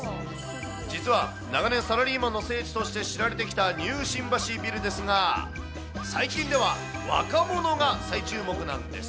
実は、長年、サラリーマンの聖地として知られてきたニュー新橋ビルですが、最近では、若者が再注目なんです。